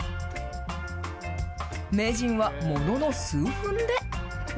名人は、ものの数分で。